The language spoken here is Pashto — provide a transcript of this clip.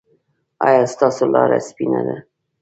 ایا ستاسو لاره سپینه ده؟